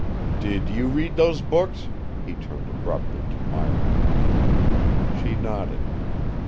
Did you read those books?" He turned abruptly to Myra. She nodded.